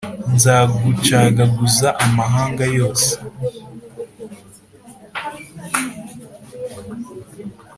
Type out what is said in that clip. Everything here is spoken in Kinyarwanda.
Nzagucagaguza amahanga yose